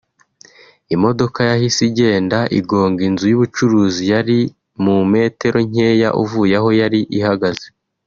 Imodoka yahise igenda igonga inzu y’ubucuruzi yari mu metero nkeya uvuye aho yari ihagaze